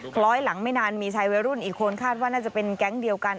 คล้อยหลังไม่นานมีชายวัยรุ่นอีกคนคาดว่าน่าจะเป็นแก๊งเดียวกัน